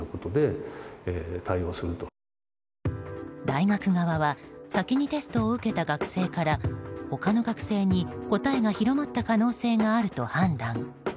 大学側は先にテストを受けた学生から他の学生に答えが広まった可能性があると判断。